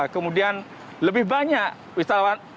kemudian lebih banyak wisatawan